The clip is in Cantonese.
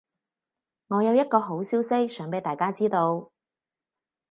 我有一個好消息想畀大家知道